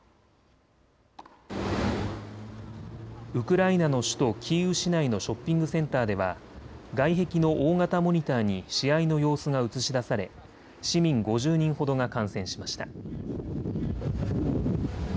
ウクライナの首都キーウ市内のショッピングセンターでは外壁の大型モニターに試合の様子が映し出され市民５０人ほどが観戦しました。